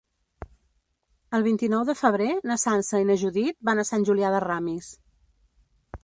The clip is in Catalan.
El vint-i-nou de febrer na Sança i na Judit van a Sant Julià de Ramis.